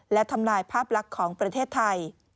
และทำลายภาพลักษณ์ของประเทศไทย